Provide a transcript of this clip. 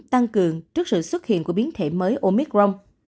tăng cường trước sự xuất hiện của biến thể mới omicron